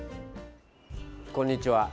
こんにちは。